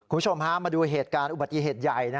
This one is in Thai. คุณผู้ชมมาดูเหตุผลอุบัติเหตุใหญ่